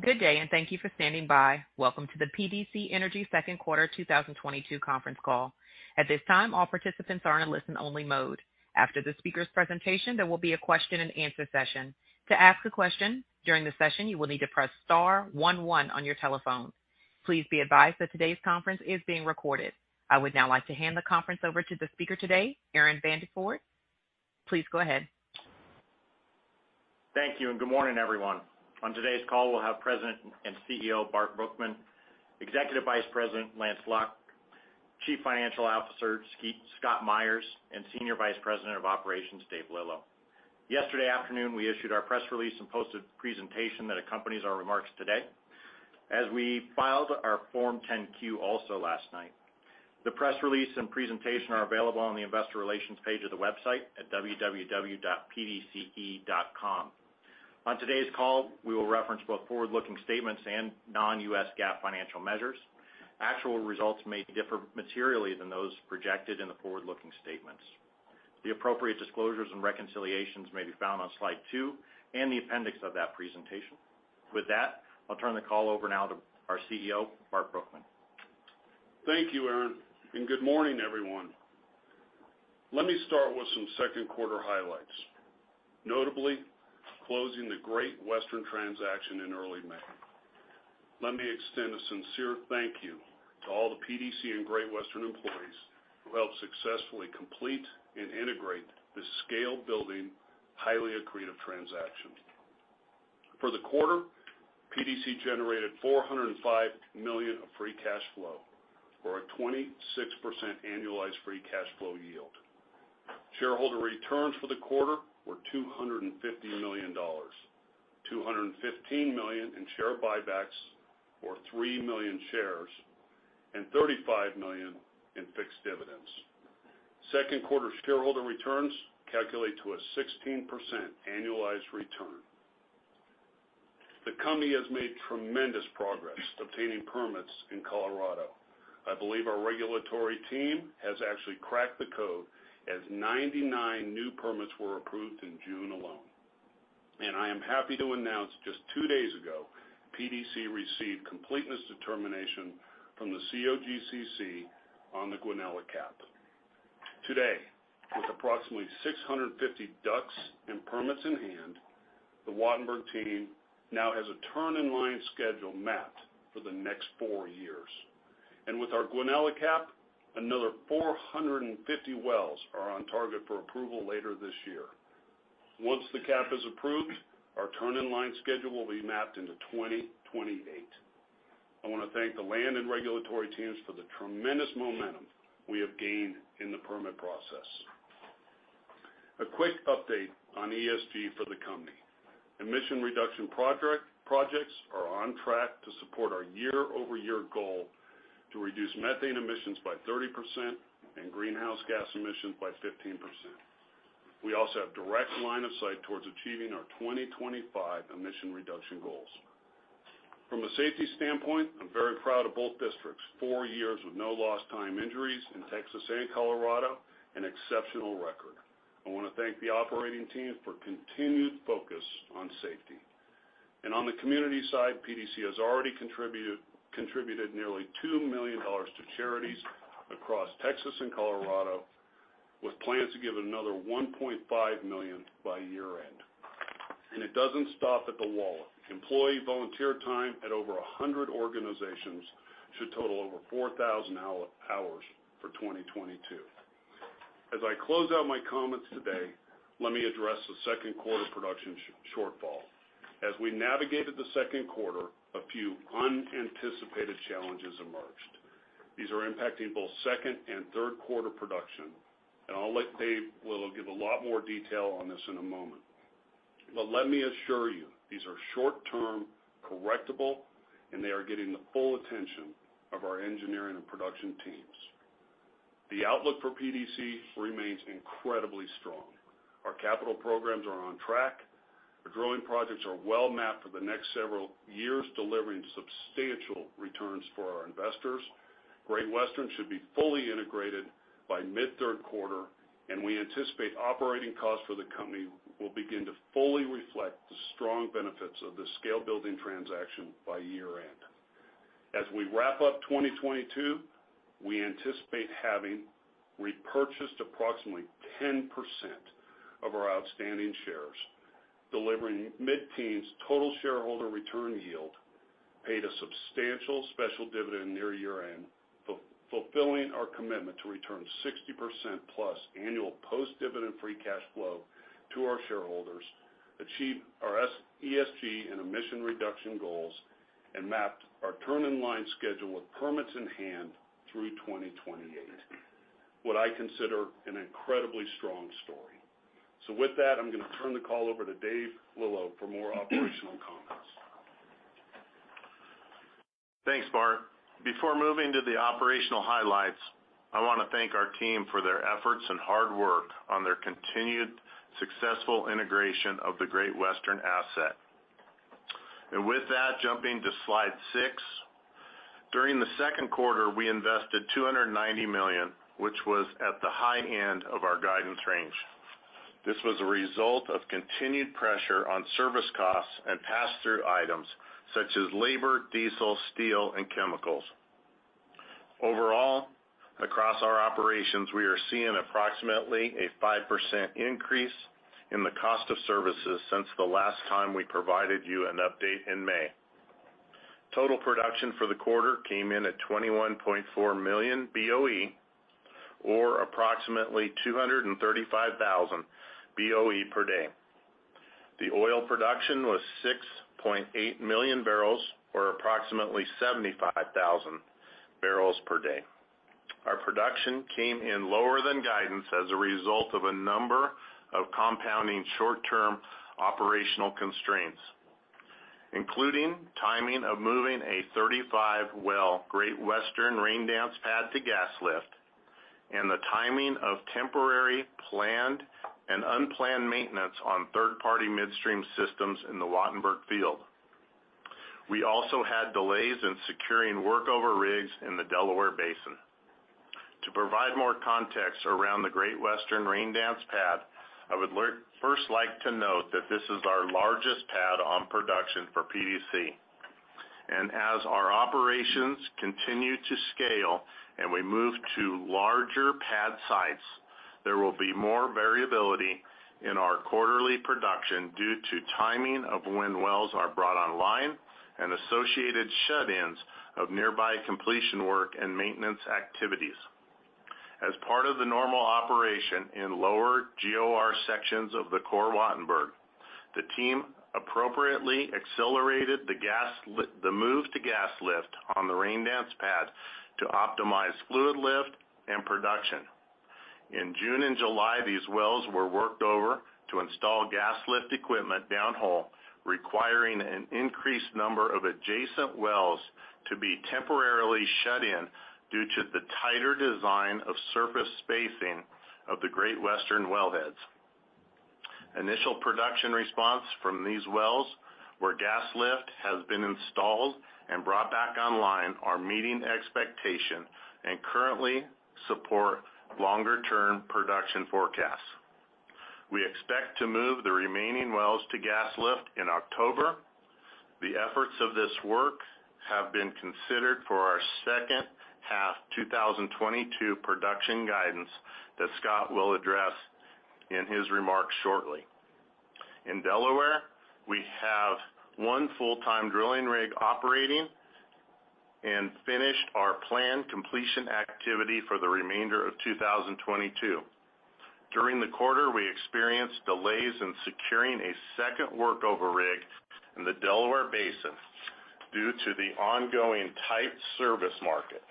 Good day, and thank you for standing by. Welcome to the PDC Energy Second Quarter 2022 conference call. At this time, all participants are in listen-only mode. After the speaker's presentation, there will be a question-and-answer session. To ask a question during the session, you will need to press star one one on your telephone. Please be advised that today's conference is being recorded. I would now like to hand the conference over to the speaker today, Aaron Vandeford. Please go ahead. Thank you, and good morning, everyone. On today's call, we'll have President and CEO, Bart Brookman, Executive Vice President, Lance Luck, Chief Financial Officer, Scott Meyers, and Senior Vice President of Operations, Dave Lillo. Yesterday afternoon, we issued our press release and posted the presentation that accompanies our remarks today, as we filed our Form 10-Q also last night. The press release and presentation are available on the investor relations page of the website at www.pdce.com. On today's call, we will reference both forward-looking statements and non-GAAP financial measures. Actual results may differ materially than those projected in the forward-looking statements. The appropriate disclosures and reconciliations may be found on slide two and the appendix of that presentation. With that, I'll turn the call over now to our CEO, Bart Brookman. Thank you, Aaron, and good morning, everyone. Let me start with some second quarter highlights, notably closing the Great Western transaction in early May. Let me extend a sincere thank you to all the PDC and Great Western employees who helped successfully complete and integrate this scale-building, highly accretive transaction. For the quarter, PDC generated $405 million of free cash flow or a 26% annualized free cash flow yield. Shareholder returns for the quarter were $250 million, $215 million in share buybacks, or three million shares, and $35 million in fixed dividends. Second quarter shareholder returns calculate to a 16% annualized return. The company has made tremendous progress obtaining permits in Colorado. I believe our regulatory team has actually cracked the code, as 99 new permits were approved in June alone. I am happy to announce just two days ago, PDC received completeness determination from the COGCC on the Guanella CAP. Today, with approximately 650 approvals and permits in hand, the Wattenberg team now has a turn-in-line schedule mapped for the next four years. With our Guanella CAP, another 450 wells are on target for approval later this year. Once the CAP is approved, our turn-in-line schedule will be mapped into 2028. I wanna thank the land and regulatory teams for the tremendous momentum we have gained in the permit process. A quick update on ESG for the company. Emission reduction projects are on track to support our year-over-year goal to reduce methane emissions by 30% and greenhouse gas emissions by 15%. We also have direct line of sight towards achieving our 2025 emission reduction goals. From a safety standpoint, I'm very proud of both districts. Four years with no lost time injuries in Texas and Colorado, an exceptional record. I wanna thank the operating teams for continued focus on safety. On the community side, PDC has already contributed nearly $2 million to charities across Texas and Colorado, with plans to give another $1.5 million by year-end. It doesn't stop at the wallet. Employee volunteer time at over 100 organizations should total over 4,000 hours for 2022. As I close out my comments today, let me address the second quarter production shortfall. As we navigated the second quarter, a few unanticipated challenges emerged. These are impacting both second and third quarter production, and I'll let Dave Lillo give a lot more detail on this in a moment. Let me assure you, these are short-term correctable, and they are getting the full attention of our engineering and production teams. The outlook for PDC remains incredibly strong. Our capital programs are on track. Our drilling projects are well-mapped for the next several years, delivering substantial returns for our investors. Great Western should be fully integrated by mid third quarter, and we anticipate operating costs for the company will begin to fully reflect the strong benefits of this scale-building transaction by year-end. As we wrap up 2022, we anticipate having repurchased approximately 10% of our outstanding shares, delivering mid-teens total shareholder return yield, paid a substantial special dividend near year-end, fulfilling our commitment to return 60%+ annual post-dividend free cash flow to our shareholders, achieve our ESG and emission reduction goals, and mapped our turn-in-line schedule with permits in hand through 2028. What I consider an incredibly strong story. With that, I'm gonna turn the call over to David Lillo for more operational comments. Thanks, Bart. Before moving to the operational highlights, I wanna thank our team for their efforts and hard work on their continued successful integration of the Great Western asset. With that, jumping to slide six. During the second quarter, we invested $290 million, which was at the high end of our guidance range. This was a result of continued pressure on service costs and pass-through items such as labor, diesel, steel, and chemicals. Overall, across our operations, we are seeing approximately a 5% increase in the cost of services since the last time we provided you an update in May. Total production for the quarter came in at 21.4 million BOE or approximately 235,000 BOE per day. The oil production was 6.8 million barrels or approximately 75,000 barrels per day. Our production came in lower than guidance as a result of a number of compounding short-term operational constraints, including timing of moving a 35-well Great Western Raindance pad to gas lift and the timing of temporary, planned, and unplanned maintenance on third-party midstream systems in the Wattenberg field. We also had delays in securing workover rigs in the Delaware Basin. To provide more context around the Great Western Raindance pad, I would first like to note that this is our largest pad on production for PDC. As our operations continue to scale and we move to larger pad sites, there will be more variability in our quarterly production due to timing of when wells are brought online and associated shut-ins of nearby completion work and maintenance activities. As part of the normal operation in lower GOR sections of the core Wattenberg, the team appropriately accelerated the move to gas lift on the Raindance pad to optimize fluid lift and production. In June and July, these wells were worked over to install gas lift equipment downhole, requiring an increased number of adjacent wells to be temporarily shut in due to the tighter design of surface spacing of the Great Western wellheads. Initial production response from these wells, where gas lift has been installed and brought back online, are meeting expectation and currently support longer-term production forecasts. We expect to move the remaining wells to gas lift in October. The efforts of this work have been considered for our second half 2022 production guidance that Scott will address in his remarks shortly. In Delaware, we have one full-time drilling rig operating and finished our planned completion activity for the remainder of 2022. During the quarter, we experienced delays in securing a second workover rig in the Delaware Basin due to the ongoing tight service market.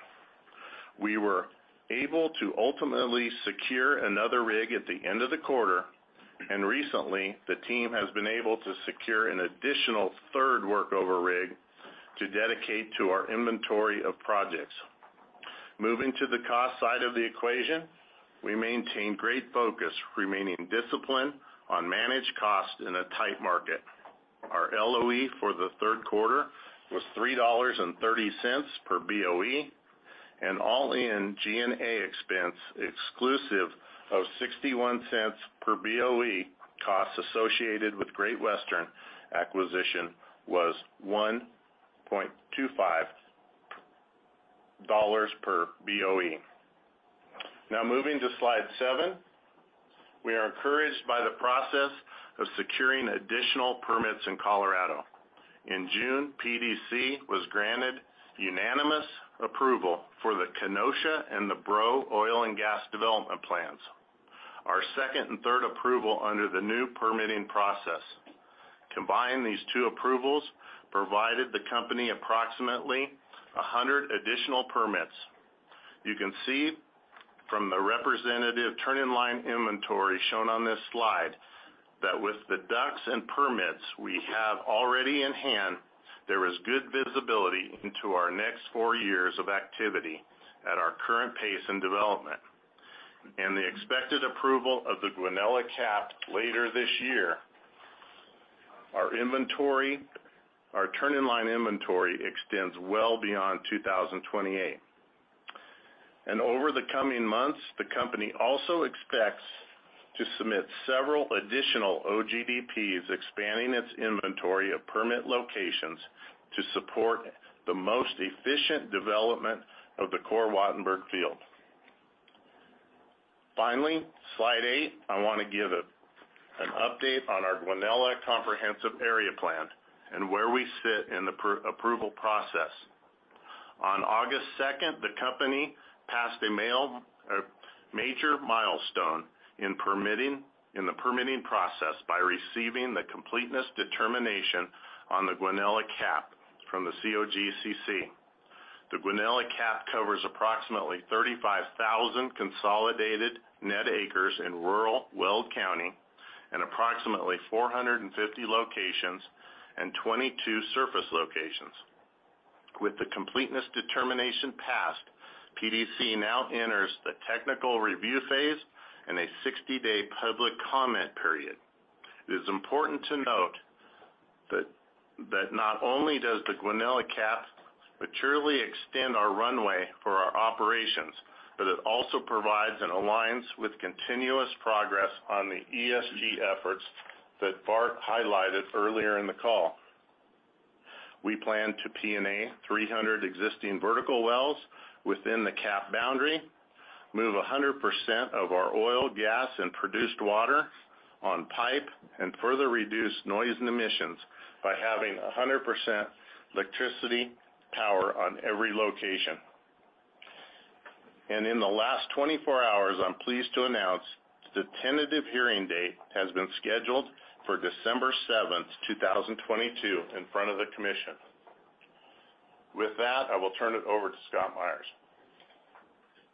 We were able to ultimately secure another rig at the end of the quarter, and recently the team has been able to secure an additional third workover rig to dedicate to our inventory of projects. Moving to the cost side of the equation, we maintain great focus, remaining disciplined on managed cost in a tight market. Our LOE for the third quarter was $3.30 per BOE, and all-in G&A expense exclusive of $0.61 per BOE costs associated with Great Western acquisition was $1.25 per BOE. Now, moving to slide 7. We are encouraged by the process of securing additional permits in Colorado. In June, PDC was granted unanimous approval for the Kenosha and the Breaux Oil and Gas Development plans, our second and third approval under the new permitting process. Combined, these two approvals provided the company approximately 100 additional permits. You can see from the representative turn-in-line inventory shown on this slide that with the DUCs and permits we have already in hand, there is good visibility into our next four years of activity at our current pace and development. The expected approval of the Guanella CAP later this year, our inventory, our turn-in-line inventory extends well beyond 2028. Over the coming months, the company also expects to submit several additional OGDPs, expanding its inventory of permit locations to support the most efficient development of the core Wattenberg field. Finally, slide 8. I want to give an update on our Guanella Comprehensive Area Plan and where we sit in the approval process. On August 2, the company passed a major milestone in the permitting process by receiving the completeness determination on the Guanella CAP from the COGCC. The Guanella CAP covers approximately 35,000 consolidated net acres in rural Weld County and approximately 450 locations and 22 surface locations. With the completeness determination passed, PDC now enters the technical review phase and a 60-day public comment period. It is important to note that not only does the Guanella CAP materially extend our runway for our operations, but it also provides an alignment with continuous progress on the ESG efforts that Bart highlighted earlier in the call. We plan to P&A 300 existing vertical wells within the CAP boundary, move 100% of our oil, gas, and produced water on pipe, and further reduce noise and emissions by having 100% electricity power on every location. In the last 24 hours, I'm pleased to announce the tentative hearing date has been scheduled for December 7, 2022 in front of the Commission. With that, I will turn it over to Scott Meyers.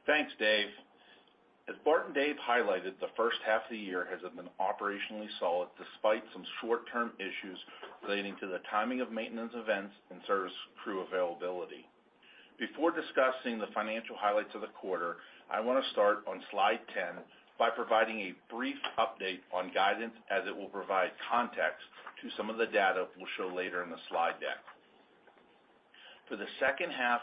Thanks, Dave. As Bart and Dave highlighted, the first half of the year has been operationally solid despite some short-term issues relating to the timing of maintenance events and service crew availability. Before discussing the financial highlights of the quarter, I wanna start on slide 10 by providing a brief update on guidance as it will provide context to some of the data we'll show later in the slide deck. For the second half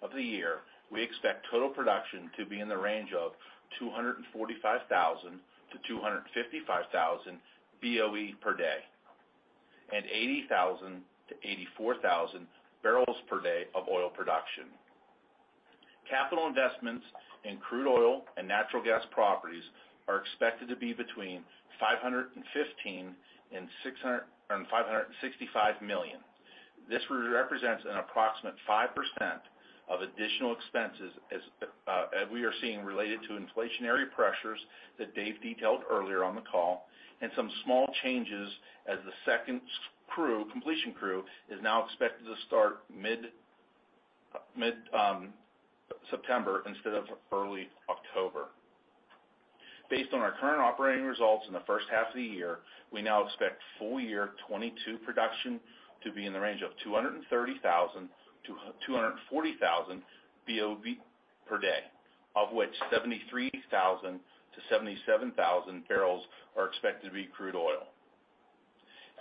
of the year, we expect total production to be in the range of 245,000 BOE-255,000 BOE per day, and 80,000 barrels-84,000 barrels per day of oil production. Capital investments in crude oil and natural gas properties are expected to be between $515 million and $565 million. This represents an approximate 5% of additional expenses as we are seeing related to inflationary pressures that Dave detailed earlier on the call, and some small changes as the second completion crew is now expected to start mid-September instead of early October. Based on our current operating results in the first half of the year, we now expect full year 2022 production to be in the range of 230,000 BOE-240,000 BOE per day, of which 73,000 barrels-77,000 barrels are expected to be crude oil.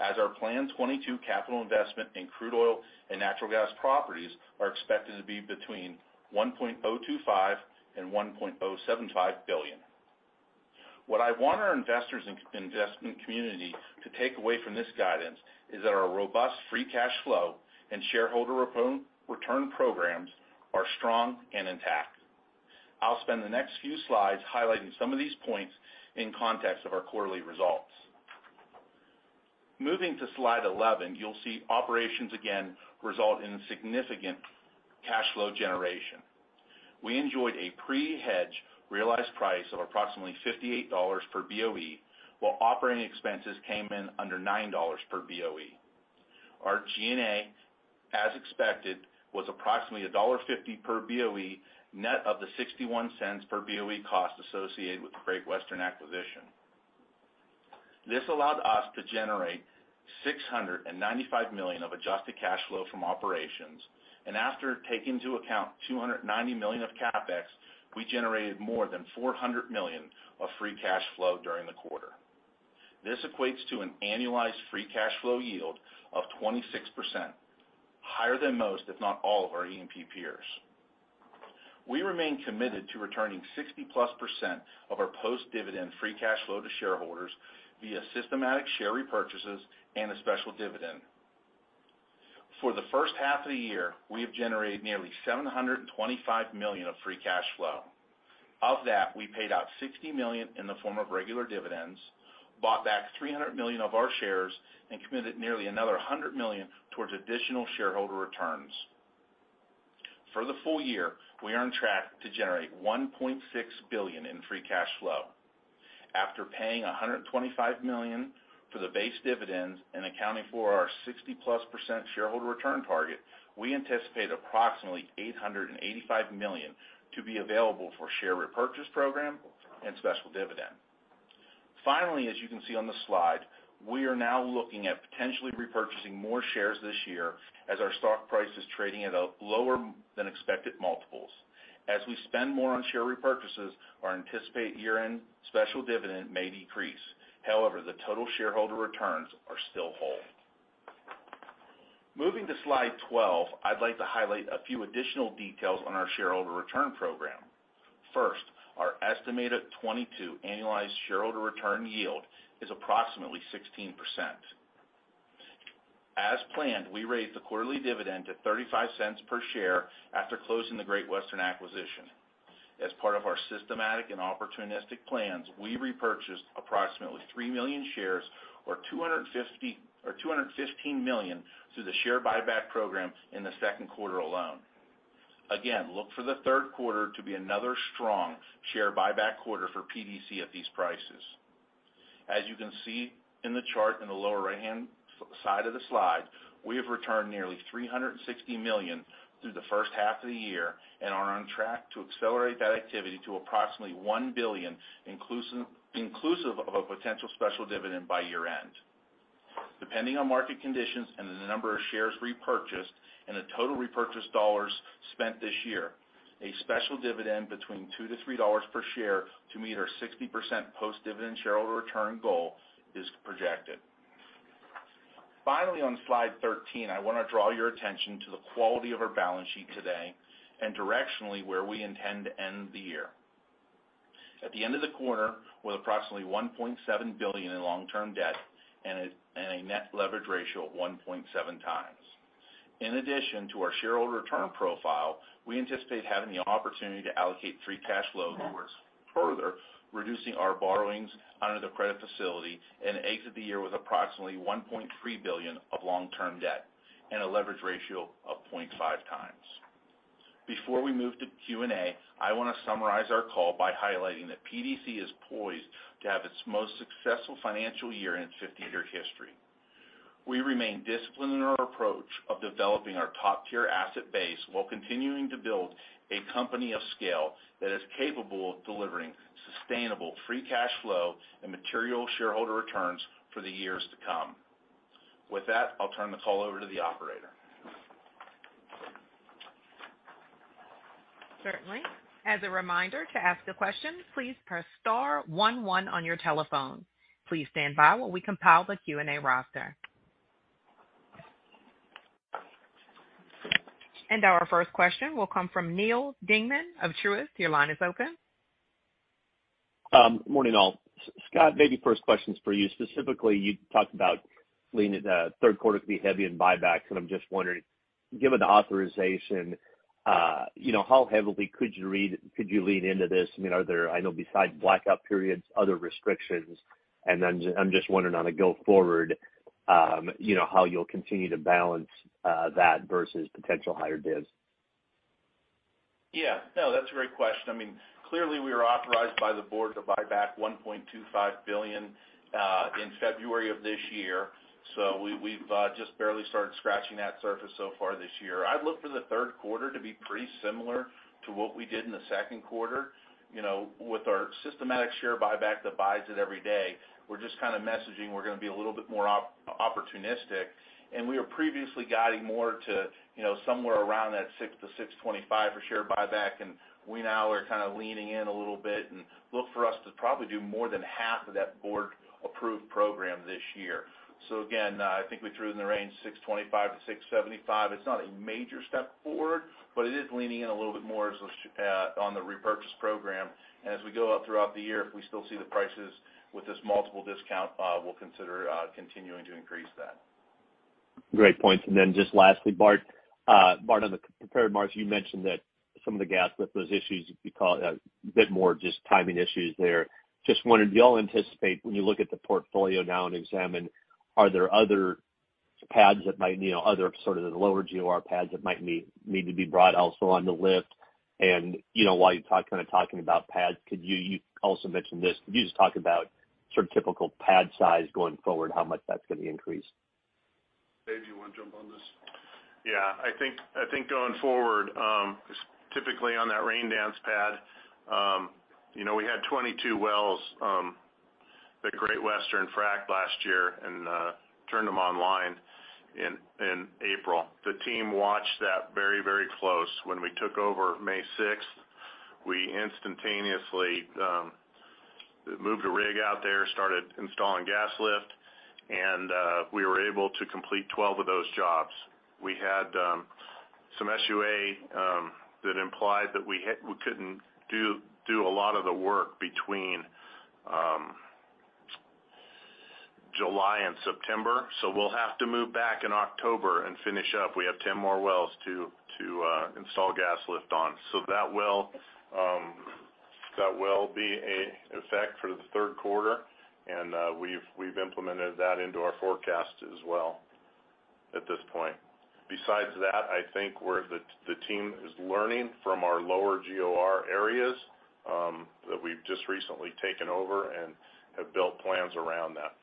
As our planned 2022 capital investment in crude oil and natural gas properties are expected to be between $1.025 billion-$1.075 billion. What I want our investors and investment community to take away from this guidance is that our robust free cash flow and shareholder return programs are strong and intact. I'll spend the next few slides highlighting some of these points in context of our quarterly results. Moving to slide 11, you'll see operations again result in significant cash flow generation. We enjoyed a pre-hedge realized price of approximately $58 per BOE, while operating expenses came in under $9 per BOE. Our G&A, as expected, was approximately $1.50 per BOE, net of the $0.61 per BOE cost associated with the Great Western acquisition. This allowed us to generate $695 million of adjusted cash flow from operations. After taking into account $290 million of CapEx, we generated more than $400 million of free cash flow during the quarter. This equates to an annualized free cash flow yield of 26%, higher than most, if not all, of our E&P peers. We remain committed to returning 60%+ of our post-dividend free cash flow to shareholders via systematic share repurchases and a special dividend. For the first half of the year, we have generated nearly $725 million of free cash flow. Of that, we paid out $60 million in the form of regular dividends, bought back $300 million of our shares, and committed nearly another $100 million towards additional shareholder returns. For the full year, we are on track to generate $1.6 billion in free cash flow. After paying $125 million for the base dividends and accounting for our 60+% shareholder return target, we anticipate approximately $885 million to be available for share repurchase program and special dividend. Finally, as you can see on the slide, we are now looking at potentially repurchasing more shares this year as our stock price is trading at a lower than expected multiple. As we spend more on share repurchases, our anticipated year-end special dividend may decrease. However, the total shareholder returns are still whole. Moving to slide 12, I'd like to highlight a few additional details on our shareholder return program. First, our estimated 2022 annualized shareholder return yield is approximately 16%. As planned, we raised the quarterly dividend to $0.35 per share after closing the Great Western acquisition. As part of our systematic and opportunistic plans, we repurchased approximately three million shares or 215 million through the share buyback program in the second quarter alone. Again, look for the third quarter to be another strong share buyback quarter for PDC at these prices. As you can see in the chart in the lower right-hand side of the slide, we have returned nearly $360 million through the first half of the year and are on track to accelerate that activity to approximately $1 billion inclusive of a potential special dividend by year-end. Depending on market conditions and the number of shares repurchased and the total repurchase dollars spent this year, a special dividend between $2-$3 per share to meet our 60% post-dividend shareholder return goal is projected. Finally, on slide 13, I wanna draw your attention to the quality of our balance sheet today and directionally where we intend to end the year. At the end of the quarter, with approximately $1.7 billion in long-term debt and a net leverage ratio of 1.7x. In addition to our shareholder return profile, we anticipate having the opportunity to allocate free cash flow further, reducing our borrowings under the credit facility and exit the year with approximately $1.3 billion of long-term debt and a leverage ratio of 0.5x. Before we move to Q&A, I wanna summarize our call by highlighting that PDC is poised to have its most successful financial year in its 50-year history. We remain disciplined in our approach of developing our top-tier asset base while continuing to build a company of scale that is capable of delivering sustainable free cash flow and material shareholder returns for the years to come. With that, I'll turn the call over to the operator. Certainly. As a reminder, to ask a question, please press star one one on your telephone. Please stand by while we compile the Q&A roster. Our first question will come from Neal Dingmann of Truist. Your line is open. Morning, all. Scott, maybe first question's for you. Specifically, you talked about leaning third quarter to be heavy in buybacks, and I'm just wondering, given the authorization, you know, how heavily could you lean into this? I mean, are there, I know besides blackout periods, other restrictions? Then I'm just wondering going forward, you know, how you'll continue to balance that versus potential higher divs. Yeah. No, that's a great question. I mean, clearly, we were authorized by the board to buy back $1.25 billion in February of this year. We've just barely started scratching that surface so far this year. I'd look for the third quarter to be pretty similar to what we did in the second quarter. You know, with our systematic share buyback that buys it every day, we're just kinda messaging we're gonna be a little bit more opportunistic. We are previously guiding more to, you know, somewhere around that $600 million-$625 million for share buyback, and we now are kinda leaning in a little bit. Look for us to probably do more than half of that board-approved program this year. Again, I think we threw it in the range of $625 million-$675 million. It's not a major step forward, but it is leaning in a little bit more as those on the repurchase program. As we go out throughout the year, if we still see the prices with this multiple discount, we'll consider continuing to increase that. Great points. Just lastly, Bart, on the prepared remarks, you mentioned that some of the gas lift issues you call it a bit more just timing issues there. Just wondering, do y'all anticipate when you look at the portfolio now and examine, are there other pads that might other sort of the lower GOR pads that might need to be brought also on the lift? While you're kinda talking about pads, you also mentioned this. Could you just talk about sort of typical pad size going forward, how much that's gonna increase? Dave, do you wanna jump on this? Yeah. I think going forward, typically on that Raindance pad, you know, we had 22 wells that Great Western fracked last year and turned them online in April. The team watched that very close. When we took over May sixth, we instantaneously moved a rig out there, started installing gas lift, and we were able to complete 12 of those jobs. We had some SUA that implied that we couldn't do a lot of the work between July and September, so we'll have to move back in October and finish up. We have 10 more wells to install gas lift on. So that will be an effect for the third quarter, and we've implemented that into our forecast as well at this point. Besides that, I think the team is learning from our lower GOR areas that we've just recently taken over and have built plans around that.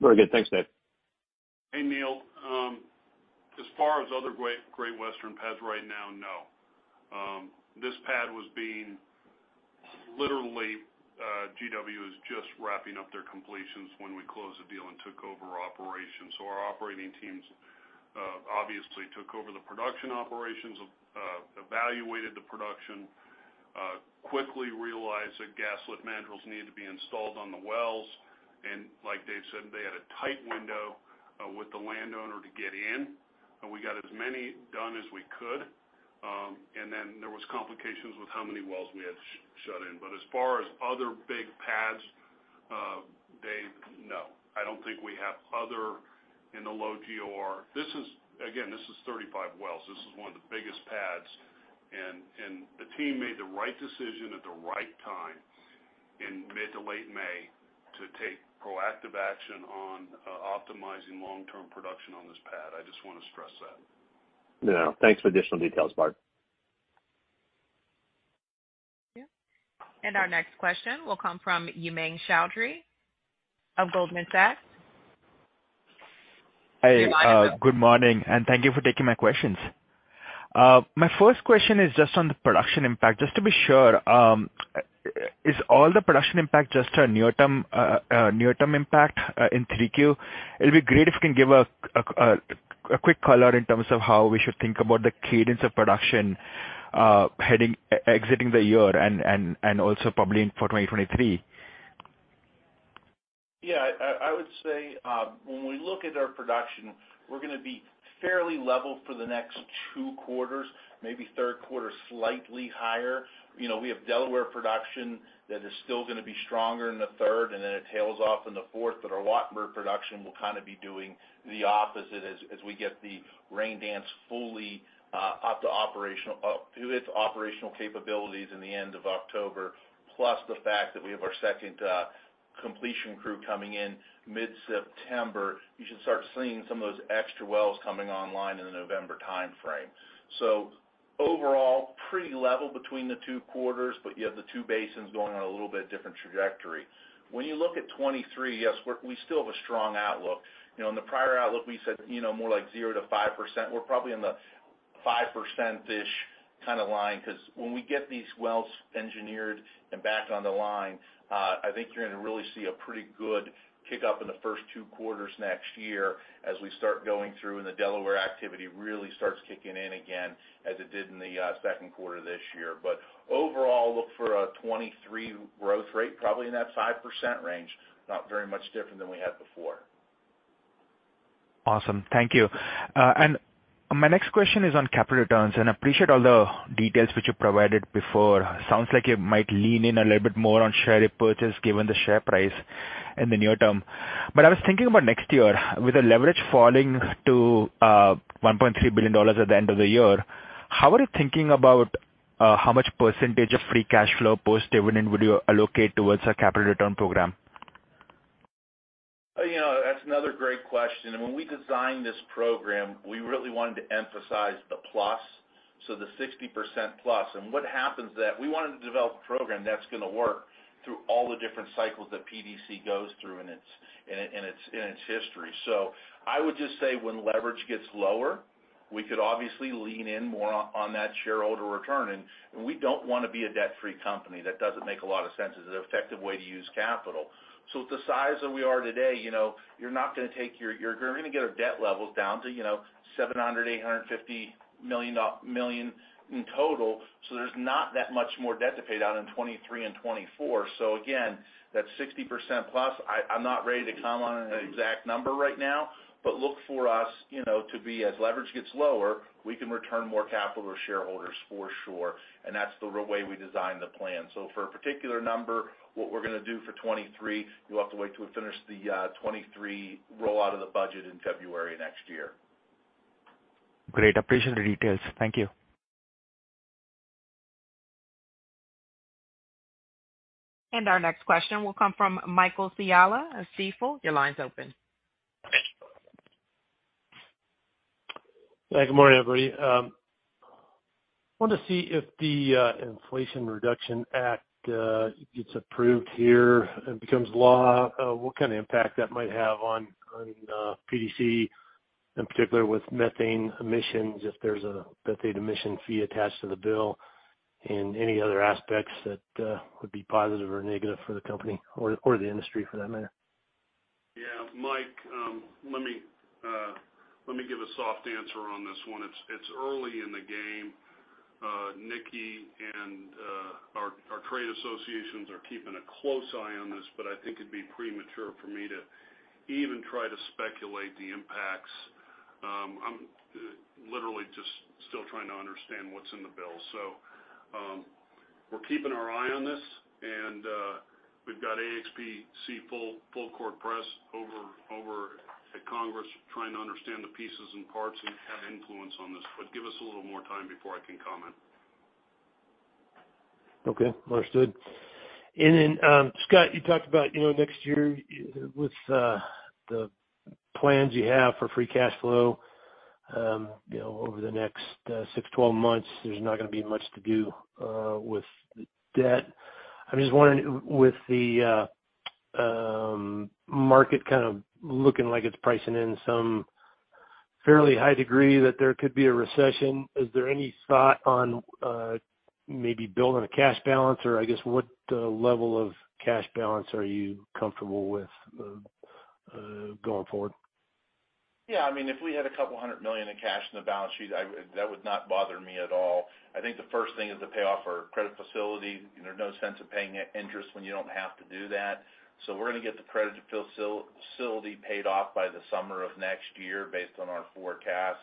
Very good. Thanks, Dave. Hey, Neal Dingmann. As far as other Great Western pads right now, no. This pad was being literally GW was just wrapping up their completions when we closed the deal and took over operations. Our operating teams obviously took over the production operations, evaluated the production, quickly realized that gas lift mandrels needed to be installed on the wells. Like Dave said, they had a tight window with the landowner to get in, and we got as many done as we could. Then there was complications with how many wells we had shut in. As far as other big pads, Dave, no. I don't think we have other in the low GOR. Again, this is 35 wells. This is one of the biggest pads, and the team made the right decision at the right time in mid to late May to take proactive action on optimizing long-term production on this pad. I just wanna stress that. No, thanks for additional details, Bart. Our next question will come from Umang Choudhary of Goldman Sachs. Hi, good morning, and thank you for taking my questions. My first question is just on the production impact. Just to be sure, is all the production impact just a near-term impact in 3Q? It'd be great if you can give a quick color in terms of how we should think about the cadence of production, exiting the year and also probably for 2023. Yeah. I would say when we look at our production, we're gonna be fairly level for the next two quarters, maybe third quarter slightly higher. You know, we have Delaware production that is still gonna be stronger in the third, and then it tails off in the fourth. Our Wattenberg production will kind of be doing the opposite as we get the Raindance fully up to its operational capabilities in the end of October, plus the fact that we have our second completion crew coming in mid-September. You should start seeing some of those extra wells coming online in the November timeframe. Overall, pretty level between the two quarters, but you have the two basins going on a little bit different trajectory. When you look at 2023, yes, we still have a strong outlook. You know, in the prior outlook, we said, you know, more like 0%-5%. We're probably in the 5%-ish kind of line because when we get these wells engineered and back on the line, I think you're gonna really see a pretty good kick up in the first two quarters next year as we start going through and the Delaware activity really starts kicking in again as it did in the second quarter this year. Overall, look for a 2023 growth rate, probably in that 5% range, not very much different than we had before. Awesome. Thank you. My next question is on capital returns, and I appreciate all the details which you provided before. Sounds like you might lean in a little bit more on share repurchase given the share price in the near term. I was thinking about next year. With the leverage falling to $1.3 billion at the end of the year, how are you thinking about how much percentage of free cash flow post-dividend would you allocate towards a capital return program? You know, that's another great question. When we designed this program, we really wanted to emphasize the plus, so the 60% plus. What we wanted to develop a program that's gonna work through all the different cycles that PDC goes through in its history. I would just say when leverage gets lower, we could obviously lean in more on that shareholder return. We don't wanna be a debt-free company. That doesn't make a lot of sense as an effective way to use capital. With the size that we are today, you know, you're gonna get our debt levels down to, you know, $700 million-$850 million in total. There's not that much more debt to pay down in 2023 and 2024. Again, that 60% plus, I'm not ready to comment on an exact number right now, but look for us, you know, to be as leverage gets lower, we can return more capital to shareholders for sure, and that's the way we design the plan. For a particular number, what we're gonna do for 2023, you'll have to wait till we finish the 2023 rollout of the budget in February next year. Great. Appreciate the details. Thank you. Our next question will come from Michael Scialla of Stifel. Your line's open. Yeah. Good morning, everybody. Wanted to see if the Inflation Reduction Act gets approved here and becomes law, what kind of impact that might have on PDC, in particular with methane emissions, if there's a methane emission fee attached to the bill and any other aspects that would be positive or negative for the company or the industry for that matter? Yeah. Mike, let me give a soft answer on this one. It's early in the game. Nicky and our trade associations are keeping a close eye on this, but I think it'd be premature for me to even try to speculate the impacts. I'm literally just still trying to understand what's in the bill. We're keeping our eye on this and we've got AXPC full court press over at Congress trying to understand the pieces and parts and have influence on this, but give us a little more time before I can comment. Okay. Understood. Scott, you talked about, you know, next year with the plans you have for free cash flow, you know, over the next 6-12 months, there's not gonna be much to do with the debt. I'm just wondering with the market kind of looking like it's pricing in some fairly high degree that there could be a recession. Is there any thought on maybe building a cash balance? Or I guess, what level of cash balance are you comfortable with going forward? Yeah. I mean, if we had a couple hundred million in cash on the balance sheet, that would not bother me at all. I think the first thing is to pay off our credit facility. You know, there's no sense of paying interest when you don't have to do that. We're gonna get the credit facility paid off by the summer of next year based on our forecast,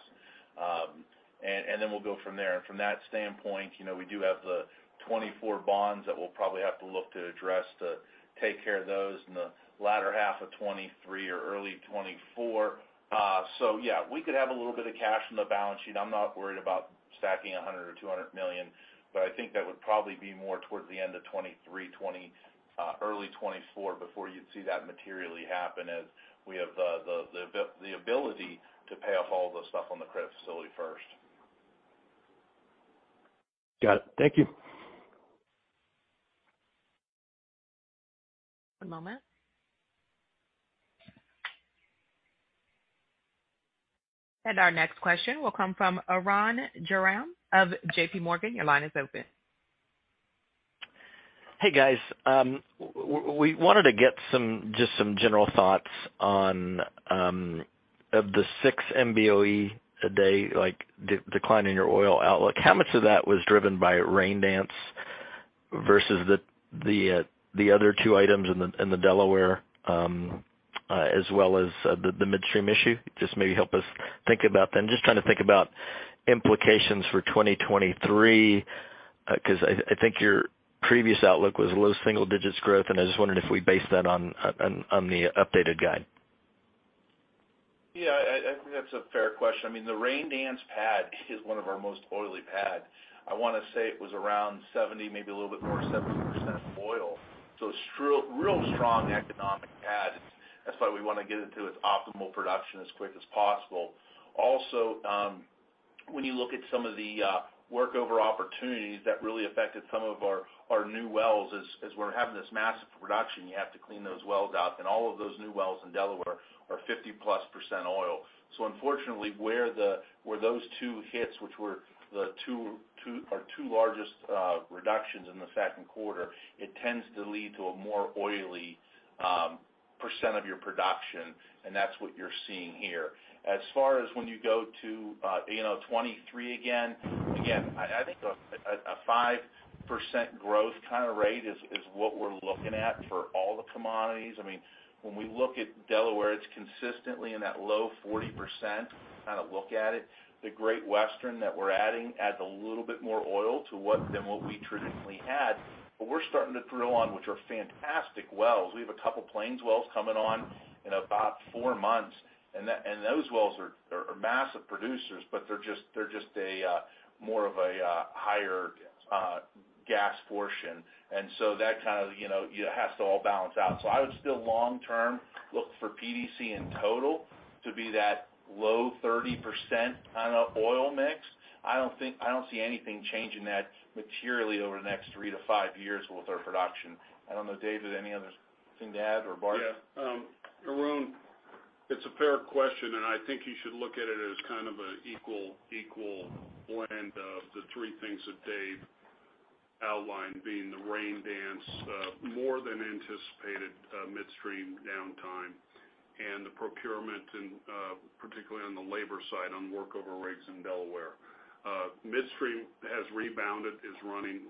and then we'll go from there. From that standpoint, you know, we do have the 2024 bonds that we'll probably have to look to address to take care of those in the latter half of 2023 or early 2024. Yeah, we could have a little bit of cash in the balance sheet. I'm not worried about stacking $100 million or $200 million, but I think that would probably be more towards the end of 2023, early 2024 before you'd see that materially happen as we have the ability to pay off all the stuff on the credit facility first. Got it. Thank you. One moment. Our next question will come from Arun Jayaram of JPMorgan. Your line is open. Hey, guys. We wanted to get just some general thoughts on the 6 MBOE a day, like, declining your oil outlook. How much of that was driven by Raindance versus the other two items in the Delaware as well as the midstream issue? Just maybe help us think about them. Just trying to think about implications for 2023, 'cause I think your previous outlook was low single digits growth, and I just wondered if we based that on the updated guide. Yeah, I think that's a fair question. I mean, the Raindance pad is one of our most oily pad. I wanna say it was around 70, maybe a little bit more, 70% oil. So it's real strong economic pad. That's why we wanna get it to its optimal production as quick as possible. Also, when you look at some of the workover opportunities that really affected some of our our new wells, as we're having this massive production, you have to clean those wells up, and all of those new wells in Delaware are 50+% oil. So unfortunately, where those two hits, which were the two or two largest reductions in the second quarter, it tends to lead to a more oily percent of your production, and that's what you're seeing here. As far as when you go to, you know, 2023 again, I think a 5% growth kind of rate is what we're looking at for all the commodities. I mean, when we look at Delaware, it's consistently in that low 40% kind of look at it. The Great Western that we're adding adds a little bit more oil to than what we traditionally had. But we're starting to drill on, which are fantastic wells. We have a couple plains wells coming on in about four months, and those wells are massive producers, but they're just a more of a higher gas portion. That kind of, you know, it has to all balance out. I would still long term look for PDC in total to be that low 30% kind of oil mix. I don't see anything changing that materially over the next 3-5 years with our production. I don't know, David, any other thing to add, or Bart? Yeah. Arun, it's a fair question, and I think you should look at it as kind of an equal blend of the three things that Dave outlined, being the Raindance more than anticipated midstream downtime and the procurement and particularly on the labor side on workover rigs in Delaware. Midstream has rebounded, is running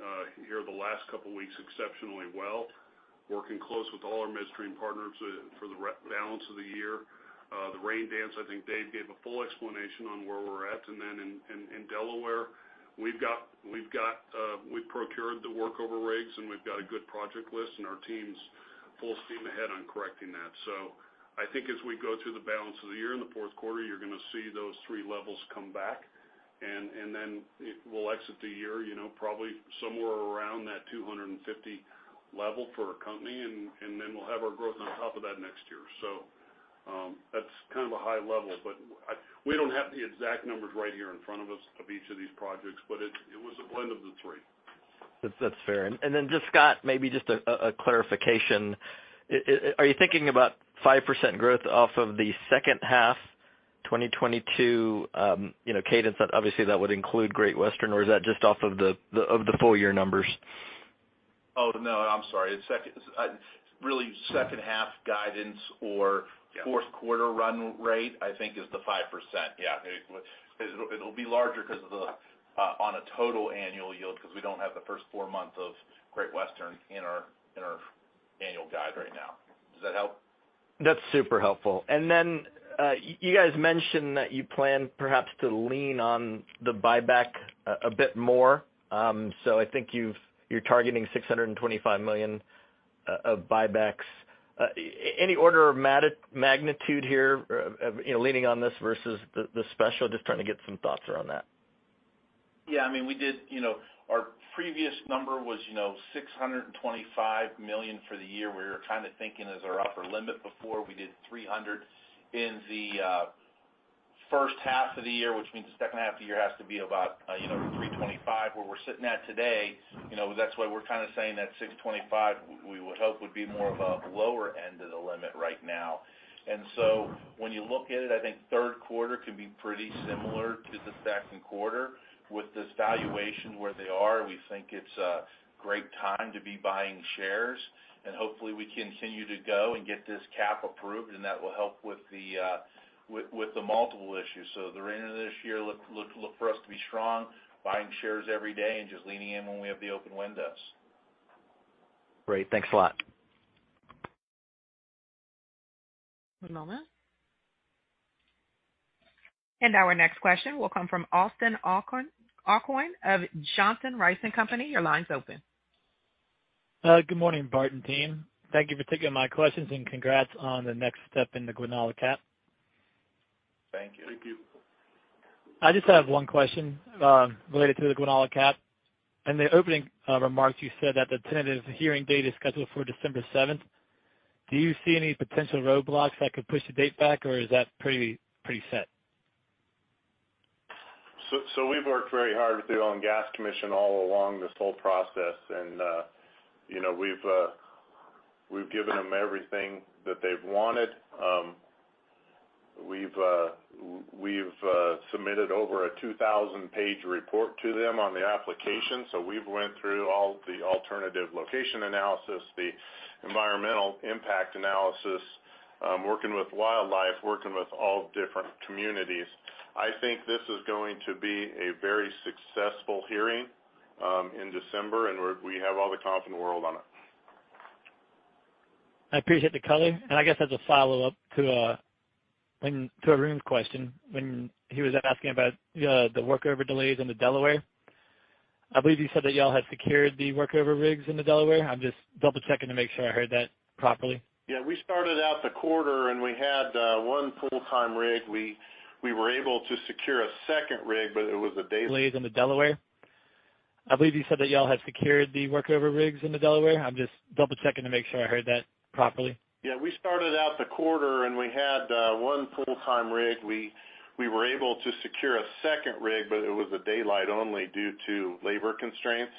here the last couple weeks exceptionally well, working close with all our midstream partners for the re-balance of the year. The Raindance, I think Dave gave a full explanation on where we're at. In Delaware, we've procured the workover rigs and we've got a good project list and our team's full steam ahead on correcting that. I think as we go through the balance of the year in the fourth quarter, you're gonna see those three levels come back. Then it will exit the year, you know, probably somewhere around that 250 level for our company, and then we'll have our growth on top of that next year. That's kind of a high level, but we don't have the exact numbers right here in front of us of each of these projects, but it was a blend of the three. That's fair. Then just, Scott, maybe just a clarification. Are you thinking about 5% growth off of the second half 2022, you know, cadence that obviously would include Great Western? Or is that just off of the full year numbers? Oh, no, I'm sorry. It's really second half guidance or. Yeah. fourth quarter run rate, I think, is the 5%. Yeah. It'll be larger 'cause of the on a total annual yield, 'cause we don't have the first four months of Great Western in our annual guide right now. Does that help? That's super helpful. Then, you guys mentioned that you plan perhaps to lean on the buyback a bit more. I think you're targeting $625 million of buybacks. Any order of magnitude here, you know, of leaning on this versus the special? Just trying to get some thoughts around that. Yeah, I mean, we did, you know. Our previous number was, you know, $625 million for the year. We were kinda thinking as our upper limit before we did $300 in the first half of the year, which means the second half of the year has to be about, you know, $325. Where we're sitting at today, you know, that's why we're kinda saying that $625 we would hope would be more of a lower end of the limit right now. When you look at it, I think third quarter could be pretty similar to the second quarter. With this valuation where they are, we think it's a great time to be buying shares, and hopefully, we continue to go and get this cap approved, and that will help with the multiple issues. The remainder of this year look for us to be strong, buying shares every day and just leaning in when we have the open windows. Great. Thanks a lot. One moment. Our next question will come from Austin Aucoin of Johnson Rice & Company. Your line's open. Good morning, Barton team. Thank you for taking my questions, and congrats on the next step in the Guanella CAP. Thank you. Thank you. I just have one question, related to the Guanella CAP. In the opening, remarks, you said that the tentative hearing date is scheduled for December seventh. Do you see any potential roadblocks that could push the date back, or is that pretty set? We've worked very hard with the Oil and Gas Commission all along this whole process, and you know, we've given them everything that they've wanted. We've submitted over a 2,000-page report to them on the application. We've went through all the alternative location analysis, the environmental impact analysis, working with wildlife, working with all different communities. I think this is going to be a very successful hearing in December, and we have all the confidence in the world on it. I appreciate the color. I guess as a follow-up to Arun's question when he was asking about the workover delays in the Delaware. I believe you said that y'all had secured the workover rigs in the Delaware. I'm just double-checking to make sure I heard that properly. Yeah, we started out the quarter and we had one full-time rig. We were able to secure a second rig, but it was a day- Delays in the Delaware. I believe you said that y'all had secured the workover rigs in the Delaware. I'm just double-checking to make sure I heard that properly. Yeah, we started out the quarter and we had one full-time rig. We were able to secure a second rig, but it was daylight only due to labor constraints.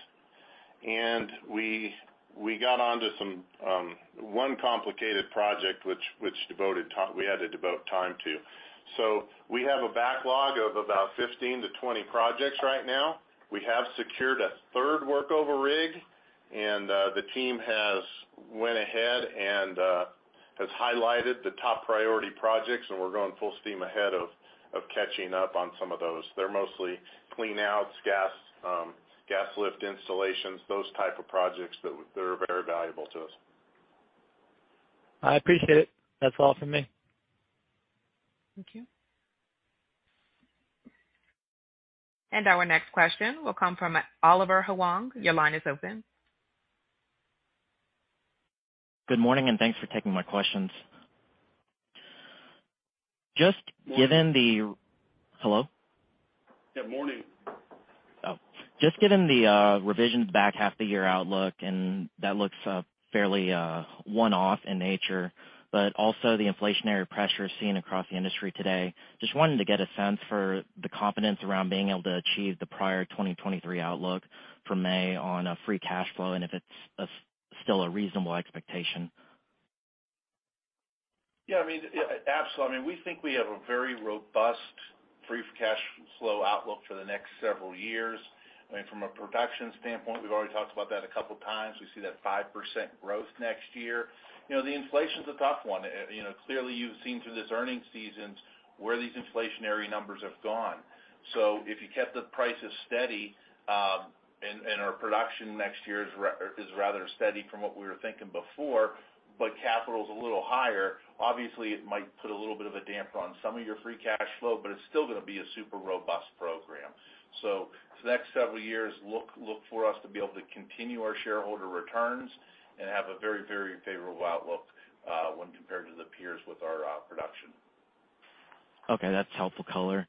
We got onto some one complicated project we had to devote time to. We have a backlog of about 15-20 projects right now. We have secured a third workover rig, and the team has went ahead and has highlighted the top priority projects, and we're going full steam ahead of catching up on some of those. They're mostly clean outs, gas lift installations, those type of projects that are very valuable to us. I appreciate it. That's all for me. Thank you. Our next question will come from Oliver Huang. Your line is open. Good morning, and thanks for taking my questions. Just given the Hello? Yeah, morning. Just given the revisions back half the year outlook, and that looks fairly one-off in nature, but also the inflationary pressures seen across the industry today. Just wanted to get a sense for the confidence around being able to achieve the prior 2023 outlook for May on free cash flow and if it's still a reasonable expectation. Yeah, I mean, absolutely. I mean, we think we have a very robust free cash flow outlook for the next several years. I mean, from a production standpoint, we've already talked about that a couple times. We see that 5% growth next year. You know, the inflation's a tough one. You know, clearly, you've seen through this earnings season where these inflationary numbers have gone. If you kept the prices steady, and our production next year is rather steady from what we were thinking before, but capital is a little higher, obviously, it might put a little bit of a damper on some of your free cash flow, but it's still gonna be a super robust program. For the next several years, look for us to be able to continue our shareholder returns and have a very, very favorable outlook when compared to the peers with our production. Okay, that's helpful color.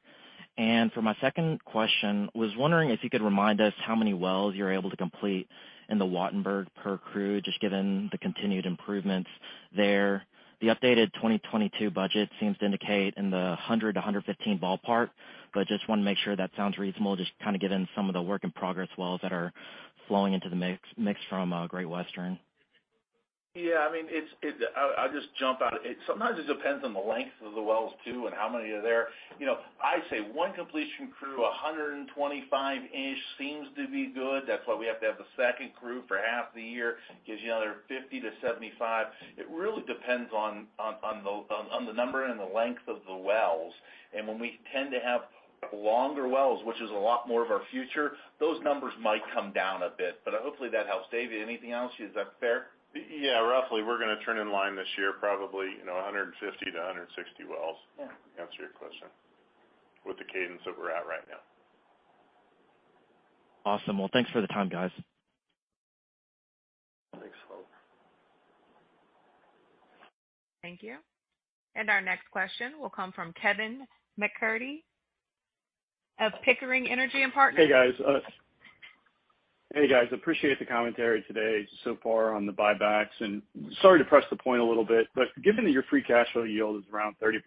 For my second question, was wondering if you could remind us how many wells you're able to complete in the Wattenberg per crew, just given the continued improvements there. The updated 2022 budget seems to indicate in the 100-115 ballpark, but just wanna make sure that sounds reasonable. Just kinda get in some of the work in progress wells that are flowing into the mix from Great Western. Yeah, I mean, it's it. I'll just jump out. It sometimes depends on the length of the wells too and how many are there. You know, I say one completion crew, 125-ish seems to be good. That's why we have to have the second crew for half the year, gives you another 50-75. It really depends on the number and the length of the wells. When we tend to have longer wells, which is a lot more of our future, those numbers might come down a bit, but hopefully that helps. Dave, anything else? Is that fair? Yeah, roughly, we're gonna turn in line this year, probably, you know, 150 to 160 wells. Yeah. To answer your question with the cadence that we're at right now. Awesome. Well, thanks for the time, guys. Thanks, Oliver. Thank you. Our next question will come from Kevin MacCurdy of Pickering Energy Partners. Hey, guys. Appreciate the commentary today so far on the buybacks, and sorry to press the point a little bit, but given that your free cash flow yield is around 30%,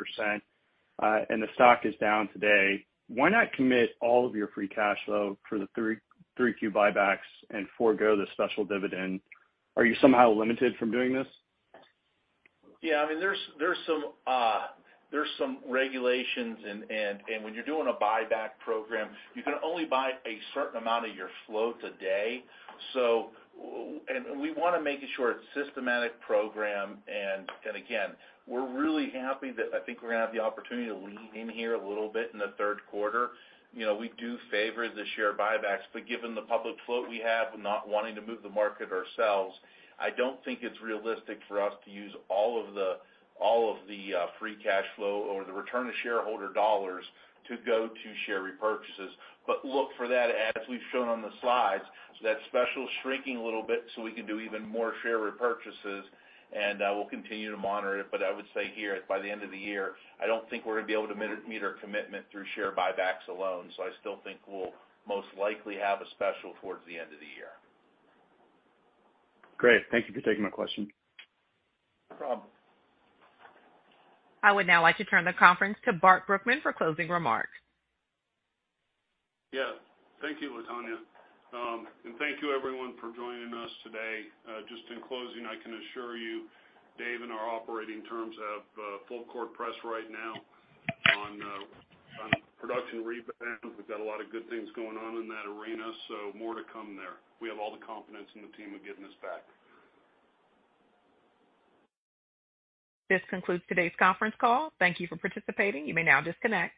and the stock is down today, why not commit all of your free cash flow for the Q3 buybacks and forgo the special dividend? Are you somehow limited from doing this? Yeah. I mean, there's some regulations and when you're doing a buyback program, you can only buy a certain amount of your float today. We wanna make sure it's systematic program. Again, we're really happy that I think we're gonna have the opportunity to lean in here a little bit in the third quarter. You know, we do favor the share buybacks, but given the public float we have and not wanting to move the market ourselves, I don't think it's realistic for us to use all of the free cash flow or the return to shareholder dollars to go to share repurchases. Look for that as we've shown on the slides, so that special is shrinking a little bit, so we can do even more share repurchases, and we'll continue to monitor it. I would say here, by the end of the year, I don't think we're gonna be able to meet our commitment through share buybacks alone. I still think we'll most likely have a special towards the end of the year. Great. Thank you for taking my question. No problem. I would now like to turn the conference to Bart Brookman for closing remarks. Yeah. Thank you, Latonya. Thank you everyone for joining us today. Just in closing, I can assure you, Dave and our operating team have full court press right now on production rebound. We've got a lot of good things going on in that arena, so more to come there. We have all the confidence in the team of getting us back. This concludes today's conference call. Thank you for participating. You may now disconnect.